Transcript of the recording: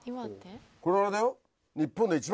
これあれだよ。